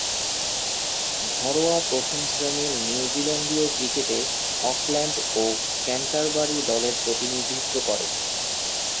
ঘরোয়া প্রথম-শ্রেণীর নিউজিল্যান্ডীয় ক্রিকেটে অকল্যান্ড ও ক্যান্টারবারি দলের প্রতিনিধিত্ব করেন।